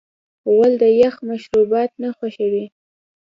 غول د یخ مشروبات نه خوښوي.